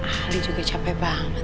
ahli juga capek banget